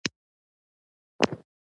هر انسان خپله یوه ډایري ولري.